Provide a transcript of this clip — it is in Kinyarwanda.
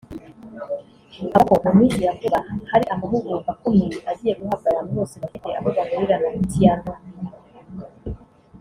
Avuga ko mu minsi ya vuba hari amahugurwa akomeye agiye guhabwa abantu bose bafite aho bahurira na Triathlon